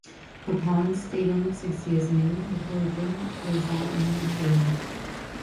Her parents stayed only six years in England before returning to exile in Mechelen.